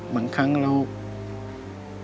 บางครั้งเรา